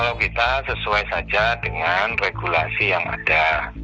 kalau kita sesuai saja dengan regulasi yang ada